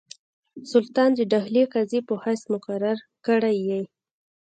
سلطان د ډهلي د قاضي په حیث مقرر کړی یې.